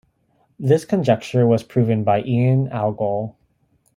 This conjecture was proven by Ian Agol.